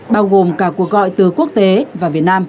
bao gồm cả cuộc gọi từ quốc tế và việt nam